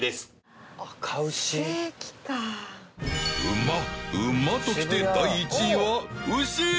馬馬ときて第１位は牛！